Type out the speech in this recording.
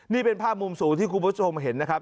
นี่เป็นภาพมุมสูงที่คุณผู้ชมเห็นนะครับ